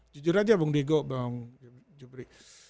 jujur aja bang diego bang jubri